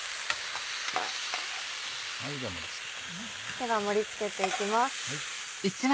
では盛り付けていきます。